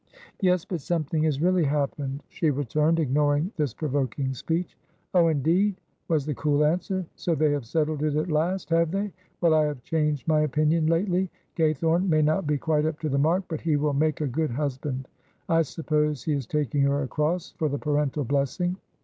'" "Yes, but something has really happened," she returned, ignoring this provoking speech. "Oh, indeed," was the cool answer; "so they have settled it at last, have they? Well, I have changed my opinion lately. Gaythorne may not be quite up to the mark, but he will make a good husband. I suppose he is taking her across for the parental blessing?"